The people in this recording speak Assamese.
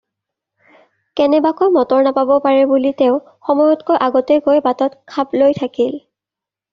কেনেবাকৈ মটৰ নাপাব পাৰে বুলি তেওঁ সময়তকৈ আগতে গৈ বাটত খাপ লৈ থাকিল।